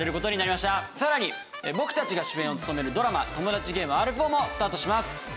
さらに僕たちが主演を務めるドラマ『トモダチゲームＲ４』もスタートします。